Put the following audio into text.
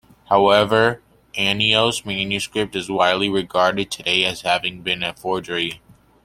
However, Annio's manuscript is widely regarded today as having been a forgery.